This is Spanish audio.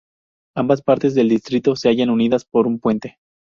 Ambas partes del distrito se hallan unidas por un puente.